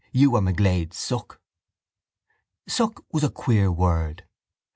You are McGlade's suck. Suck was a queer word.